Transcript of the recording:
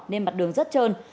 nên mặt đường rất trơn